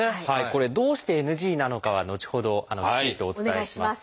これどうしてＮＧなのかは後ほどきちんとお伝えします。